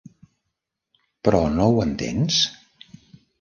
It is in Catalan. Però no ho entens?